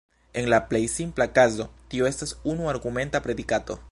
En la plej simpla kazo, tio estas unu-argumenta predikato.